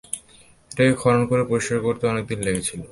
এটাকে খনন করে পরিষ্কার করতে অনেকদিন লেগেছিলো।